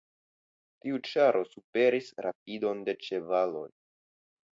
Tiu ĉaro superis rapidon de ĉevaloj.